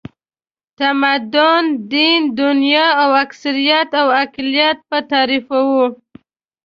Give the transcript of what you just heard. تمدن، دین، دنیا او اکثریت او اقلیت به تعریفوي.